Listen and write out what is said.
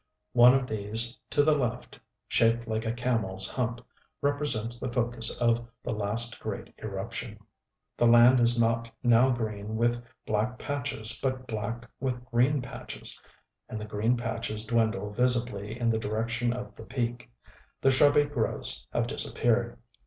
One of these to the left, shaped like a camelŌĆÖs hump, represents the focus of the last great eruption. The land is not now green with black patches, but black with green patches; and the green patches dwindle visibly in the direction of the peak. The shrubby growths have disappeared.